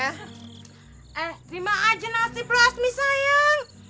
eh terima aja nasi pelasmi sayang